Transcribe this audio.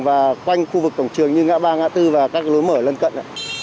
và quanh khu vực cổng trường như ngã ba ngã tư và các lối mở lân cận